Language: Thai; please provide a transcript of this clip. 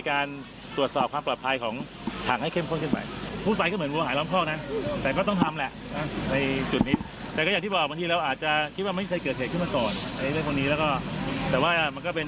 ก็คงไม่มีใครแต่ว่ามันก็มีจุดที่มันมีปัญหาเกิดขึ้น